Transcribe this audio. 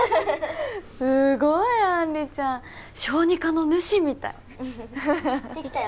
すごい杏里ちゃん小児科の主みたいできたよ